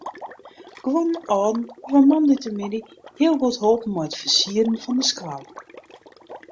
Guon âlden hawwe moandeitemiddei heel goed holpen mei it fersieren fan de skoalle.